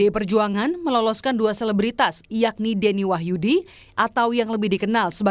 yang pertama sejumlah selebritas yang biasanya disorot dengan aksi hiburannya